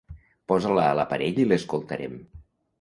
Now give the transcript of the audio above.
Posa-la a l'aparell i l'escoltarem.